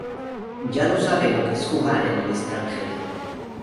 Ya sabe lo que es jugar en el extranjero.